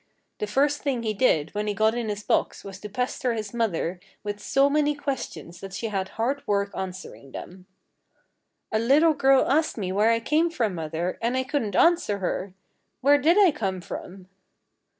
The first thing he did when he got in his box was to pester his mother with so many questions that she had hard work answering them. "A little girl asked me where I came from, mother, and I couldn't answer her. Where did I come from?"